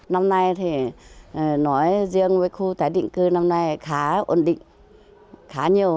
năm nay thì nói riêng với khu tái định cư năm nay khá ổn định khá nhiều